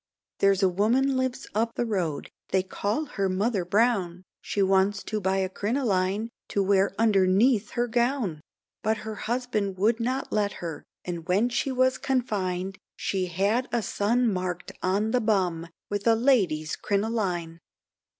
There's a woman lives up road, they call her mother , She wants to buy a crinoline, to wear underneath her gown? But her husband would not let her, and when she was confined, She had a son mark'd on the bum, with a lady's crinoline!